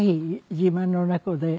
自慢の猫で。